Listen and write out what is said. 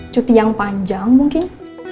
cuti yang panjang mungkin